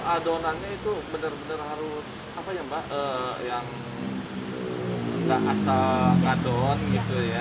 adonannya itu benar benar harus yang asal adon